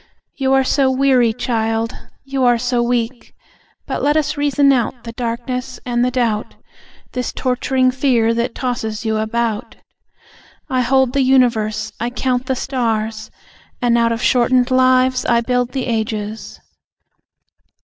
You are so weary, child, you are so weak. But let us reason out The darkness and the doubt; This torturing fear that tosses you about. I hold the universe. I count the stars. And out of shortened lives I build the ages.